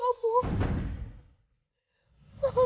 mama tidak bisa mengerti kamu